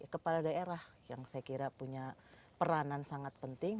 kepala daerah yang saya kira punya peranan sangat penting